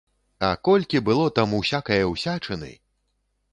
А колькі было там усякае ўсячыны!